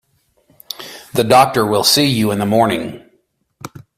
The doctor will see you in the morning.